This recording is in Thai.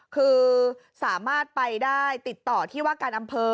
คือสามารถไปได้ติดต่อที่ว่าการอำเภอ